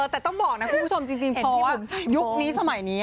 แต่ต้องบอกนะคุณผู้ชมจริงเพราะว่ายุคนี้สมัยนี้